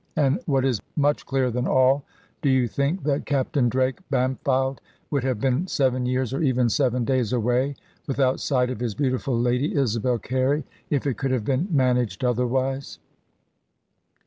And what is much clearer than all, do you think that Captain Drake Bampfylde would have been seven years, or even seven days, away, without sight of his beautiful lady, Isabel Carey, if it could have been managed otherwise?